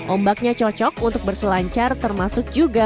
ombaknya cocok untuk berselancar termasuk juga